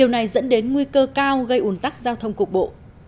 nói dẫn đến nguy cơ cao gây ủn tắc giao thông cục bộ